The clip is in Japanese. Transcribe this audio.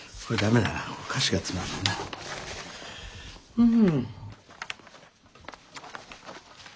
うん。